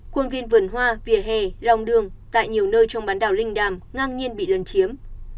khuôn viên vườn hoa vỉa hè lòng đường tại nhiều nơi trong bán đảo linh đàm ngang nhiên bị lân chiếm